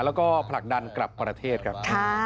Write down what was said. แล้วก็ผลักดันกลับประเทศครับ